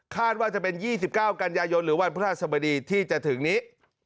คาดว่าจะเป็น๒๙กันยายนหรือวันพฤศบดีที่จะถึงนี้